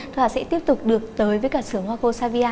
thu hà sẽ tiếp tục được tới với cả sưởng hoa cô savia